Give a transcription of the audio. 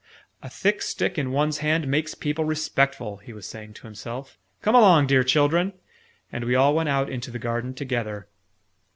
"A thick stick in one's hand makes people respectful," he was saying to himself. "Come along, dear children!" And we all went out into the garden together.